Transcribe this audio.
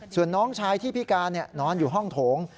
ส่วนน้องชายที่พิการนอนอยู่ห้องโถง